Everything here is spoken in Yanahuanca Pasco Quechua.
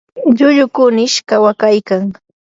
lllullu kunish kawakaykan.